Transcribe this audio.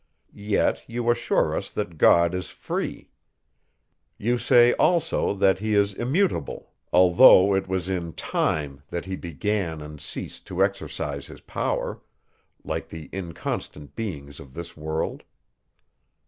Yet, you assure us, that God is free. You say also, that he is immutable, although it was in Time that he began and ceased to exercise his power, like the inconstant beings of this world.